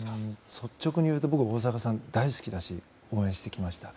率直に言うと僕、大坂さん大好きだし応援してきました。